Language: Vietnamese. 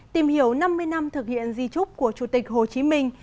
tìm hiểu năm mươi năm thực hiện di trúc của chủ tịch hồ chí minh